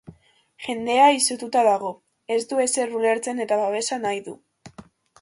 Jendea izututa dago, ez du ezer ulertzen eta babesa nahi du.